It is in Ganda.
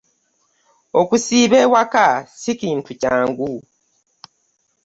Okusiiba ewaka si kintu kyangu.